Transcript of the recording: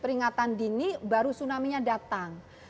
peringatan dini baru tsunami nya datang